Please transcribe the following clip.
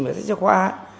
và sách giáo khoa